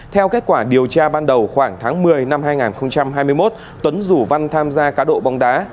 theo kết quả điều tra ban đầu khoảng tháng một mươi năm hai nghìn hai mươi một tuấn rủ văn tham gia cá độ bóng đá